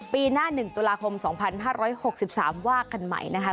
ปีหน้า๑ตุลาคม๒๕๖๓ว่ากันใหม่นะคะ